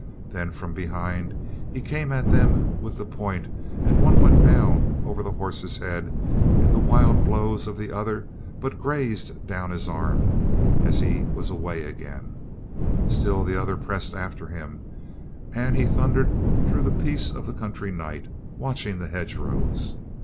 Then from behind he came at them with the point and one went down over the horse's head and the wild blows of the other but grazed down his arm as he was away i86 COLONEL GREATHEART again. Still the others pressed after him and he thundered through the peace of the country night, watching the hedge rows.